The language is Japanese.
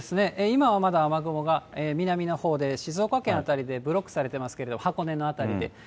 今はまだ雨雲が南のほうで、静岡県辺りでブロックされてますけれども、箱根の辺りで。